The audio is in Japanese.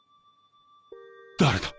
誰だ？